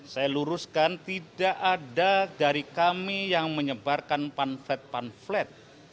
saya luruskan tidak ada dari kami yang menyebarkan pamflet pamflet